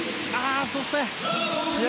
そして試合